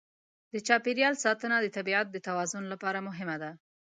د چاپېریال ساتنه د طبیعت د توازن لپاره مهمه ده.